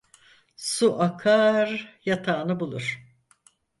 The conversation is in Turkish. Su akar yatağını bulur.